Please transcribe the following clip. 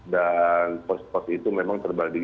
dan post post itu memang terbalik